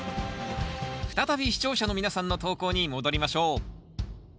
再び視聴者の皆さんの投稿に戻りましょう。